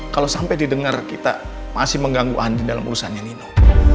kalau sampai didengar kita masih mengganggu andi dalam urusannya nino